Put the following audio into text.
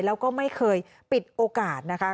แล้วก็ไม่เคยปิดโอกาสนะคะ